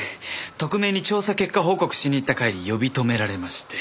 特命に調査結果報告しに行った帰り呼び止められまして。